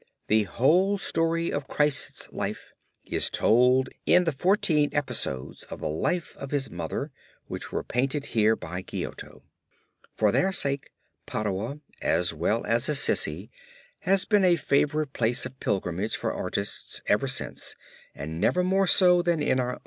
The whole story of Christ's life is told in the fourteen episodes of the life of his Mother which were painted here by Giotto. For their sake Padua as well as Assisi has been a favorite place of pilgrimage for artists ever since and never more so than in our own time.